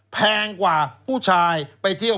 แพงกว่าผู้ชายไปเที่ยว